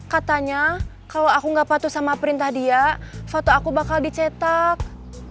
katanya kalau aku gak patuh sama perintah dia foto aku bakal dicetak